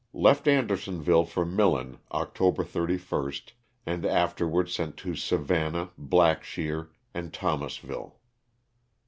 Left Andersonville for Millen October 31st, and afterwards sent to Savannah, Blackshear, and Thomasville.